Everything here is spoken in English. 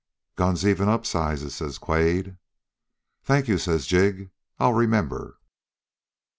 "'Guns even up sizes,' says Quade. "'Thank you,' says Jig. 'I'll remember.'